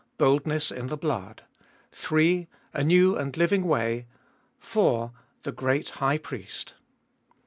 Boldness in the Blood. 3. A New and Living Way. 4. The Great High Priest.